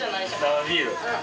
生ビール。